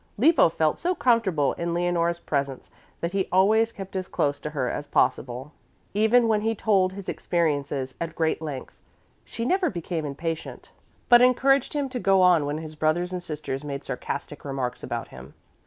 Lippo felt so comfortable in Leonore's presence that he always kept as close to her as possible. Even when he told his experiences at great length, she never became impatient, but encouraged him to go on when his brothers and sisters made sarcastic remarks about him.